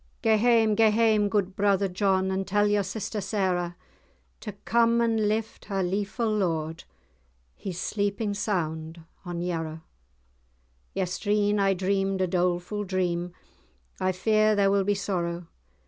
"Gae hame, gae hame, good brother John, And tell your sister Sarah, To come and lift her leafu'[#] lord; He's sleepin' sound on Yarrow." [#] Lawful. "Yestreen I dreamed a dolefu' dream, I fear there will be sorrow!